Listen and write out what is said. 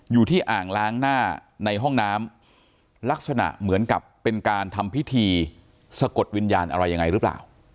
อ่างล้างหน้าในห้องน้ำลักษณะเหมือนกับเป็นการทำพิธีสะกดวิญญาณอะไรยังไงหรือเปล่า